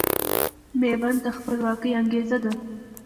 ميوند د خپلواکۍ انګېزه ده